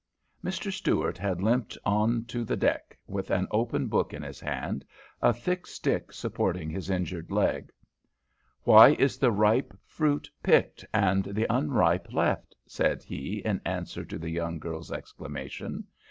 Mr. Stuart had limped on to the deck with an open book in his hand, a thick stick supporting his injured leg. "Why is the ripe fruit picked, and the unripe left?" said he in answer to the young girl's exclamation.